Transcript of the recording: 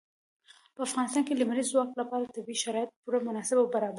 په افغانستان کې د لمریز ځواک لپاره طبیعي شرایط پوره مناسب او برابر دي.